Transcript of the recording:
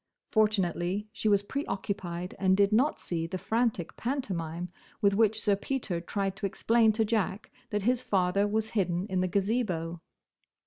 Fortunately she was preoccupied and did not see the frantic pantomime with which Sir Peter tried to explain to Jack that his father was hidden in the Gazebo.